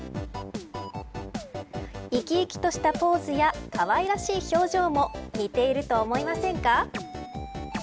生き生きとしたポーズやかわいらしい表情も似ていると思いませんか。